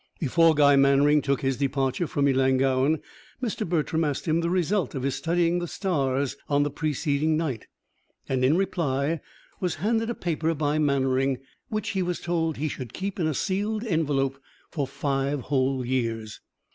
Before Guy Mannering took his departure from Ellangowan, Mr. Bertram asked him the result of his studying the stars on the preceding night, and, in reply, was handed a paper by Mannering, which he was told he should keep in a sealed envelope for five whole years.